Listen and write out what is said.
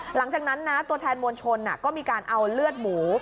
หลังจากนั้นนะตัวแทนมวลชนก็มีการเอาเลือดหมู